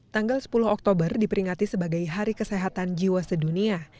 tanggal sepuluh oktober diperingati sebagai hari kesehatan jiwa sedunia